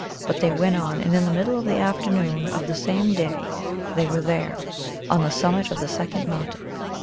But they went on, and in the middle of the afternoon of the same day they were there, on the summit of the second mountain.